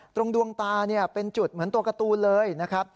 ดวงตาเป็นจุดเหมือนตัวการ์ตูนเลยนะครับ